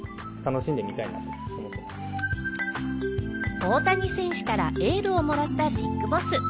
大谷選手からエールをもらったビッグボス。